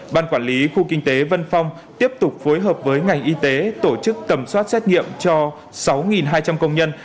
ban quản lý khu kinh tế vân phong tiếp tục phối hợp với ngành y tế tổ chức tẩm soát xét nghiệm cho sáu hai trăm linh công nhân